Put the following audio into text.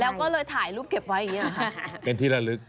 แล้วก็เลยถ่ายรูปเก็บไว้เป็นที่ระลึก